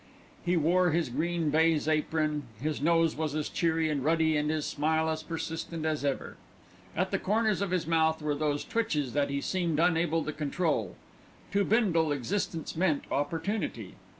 He wore his green baize apron, his nose was as cheery and ruddy and his smile as persistent as ever. At the corners of his mouth were those twitches that he seemed unable to control. To Bindle, existence meant opportunity.